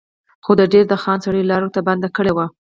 خو د دیر د خان سړیو لاره ورته بنده کړې وه.